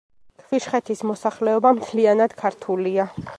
ქვიშხეთის მოსახლეობა მთლიანად ქართულია.